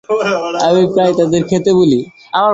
আমি প্রায় তাদের খেতে বলি।